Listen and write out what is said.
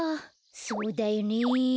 そうだよね。